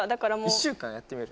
１週間やってみる？